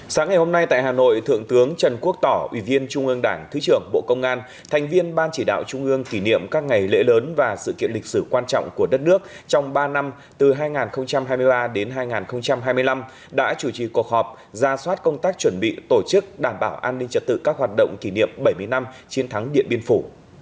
sáng ngày hôm nay tại hà nội thượng tướng trần quốc tỏ ủy viên trung ương đảng thứ trưởng bộ công an thành viên ban chỉ đạo trung ương kỷ niệm các ngày lễ lớn và sự kiện lịch sử quan trọng của đất nước trong ba năm từ hai nghìn hai mươi ba đến hai nghìn hai mươi năm đã chủ trì cuộc họp ra soát công tác chuẩn bị tổ chức đảm bảo an ninh trật tự các hoạt động kỷ niệm bảy mươi năm chiến thắng điện biên phủ